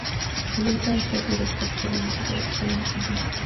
Proyecta el Teatro del Puerto de la Música de Rosario, en Argentina.